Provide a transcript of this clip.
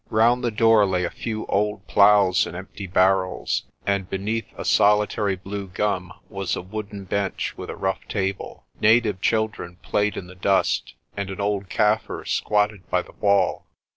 Round the door lay a few old ploughs and empty barrels, and beneath a solitary blue gum was a wooden bench with a rough table. Native children played in the dust, and an old Kaffir squatted by the wall.